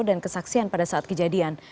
dan kesaksian pada saat kejadian